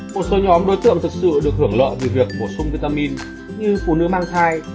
một số nhóm đối tượng thực sự được hưởng lợi từ việc bổ sung vitamin như phụ nữ mang thai